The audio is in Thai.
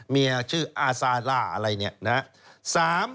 เมียชื่ออาซาร่าอะไรอย่างนี้นะ